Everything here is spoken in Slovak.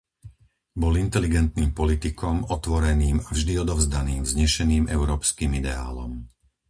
Bol inteligentným politikom, otvoreným a vždy odovzdaným vznešeným európskym ideálom.